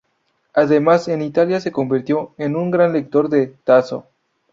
Además, en Italia, se convirtió en un gran lector de Tasso.